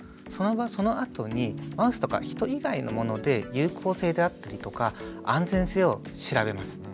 そのあとにマウスとか人以外のもので有効性であったりとか安全性を調べます。